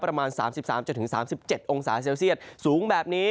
ประมาณ๓๓๗องศาเซลเซียตสูงแบบนี้